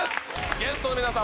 ゲストの皆さん